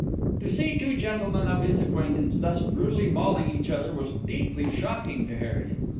To see two gentlemen of his acquaintance thus brutally mauling each other was deeply shocking to Harry.